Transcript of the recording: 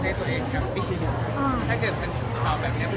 แบบนี้เลยนะครับ